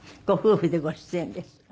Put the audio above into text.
ご夫婦でご出演です。